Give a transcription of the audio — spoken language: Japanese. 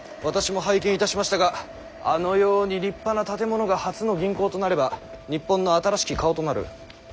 私も拝見いたしましたがあのように立派な建物が初の銀行となれば日本の新しき顔となる。